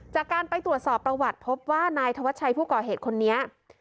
จากการไปตรวจสอบประวัติพบว่านายธวัชชัยผู้ก่อเหตุคนนี้